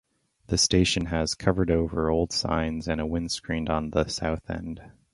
The station has covered-over old signs and a windscreen on the south end.